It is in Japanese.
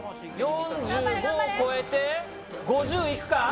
４５を超えて５０いくか？